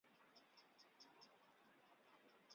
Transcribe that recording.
回国后任邮传部员外郎。